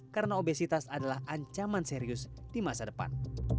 karena obesitas adalah ancaman serius di masa depan